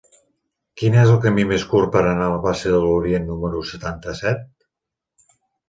Quin és el camí més curt per anar a la plaça de l'Orient número setanta-set?